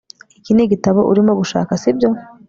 iki nigitabo urimo gushaka, sibyo